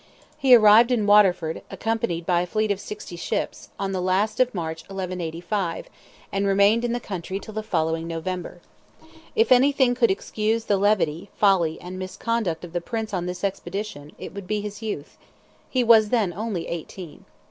He arrived in Waterford, accompanied by a fleet of sixty ships, on the last of March, 1185, and remained in the country till the following November. If anything could excuse the levity, folly and misconduct of the Prince on this expedition, it would be his youth;—he was then only eighteen.